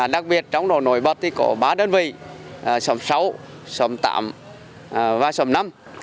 đặc biệt trong độ nổi bật có ba đơn vị xóm sáu xóm tám và xóm năm